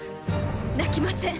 泣きません。